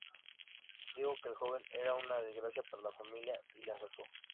Dijo que el joven era una desgracia para la familia y le azotó.